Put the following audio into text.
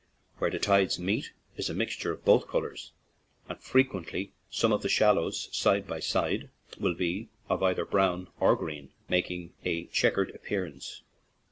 Where the tides meet is a mixture of both 44 GWEEDORE TO GLENTIES colors, and frequently some of the shallows, side by side, will be of either brown or green, making a checkered appearance.